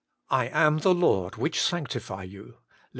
I am the Lord which sanctify you ' (Lev.